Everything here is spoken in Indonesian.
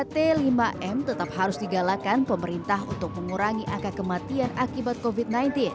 tiga t lima m tetap harus digalakan pemerintah untuk mengurangi angka kematian akibat covid sembilan belas